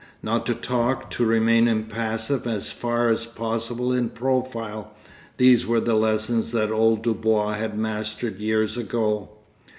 Not to talk, to remain impassive and as far as possible in profile; these were the lessons that old Dubois had mastered years ago.